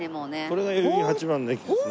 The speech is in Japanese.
これが代々木八幡の駅ですね。